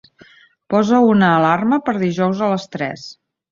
Posa una alarma per dijous a les tres.